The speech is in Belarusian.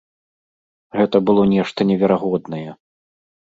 Гэта было нешта неверагоднае.